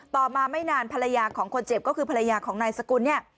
ต่อมาไม่นานภรรยาของคนเจ็บก็คือภรรยาของนายสกุลเนี่ย